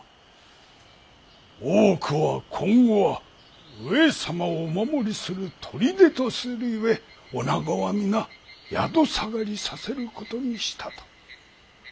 大奥は今後は上様をお守りする砦とする故女子は皆宿下がりさせることにしたと。